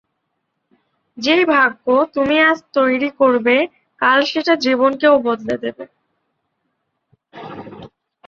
যেই ভাগ্য তুমি আজ তৈরি করবে, কাল সেটা জীবনকেও বদলে দেবে।